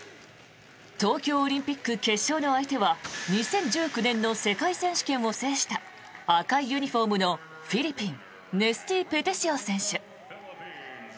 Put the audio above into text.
東京オリンピック決勝の相手は２０１９年の世界選手権を制した赤いユニホームのフィリピンネスティー・ペテシオ選手。